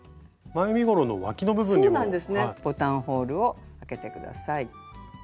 ボタンホールを開けて下さい。